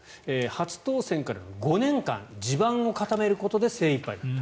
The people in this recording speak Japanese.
初当選からの５年間地盤を固めることで精いっぱいだった。